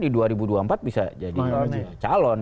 di dua ribu dua puluh empat bisa jadi calon